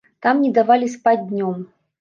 Там не давалі спаць днём.